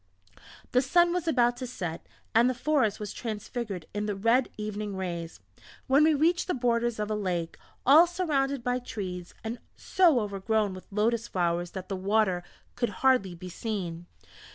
The sun was about to set and the forest was transfigured in the red evening rays, when we reached the borders of a lake, all surrounded by trees, and so overgrown with lotus flowers that the water could hardly be seen.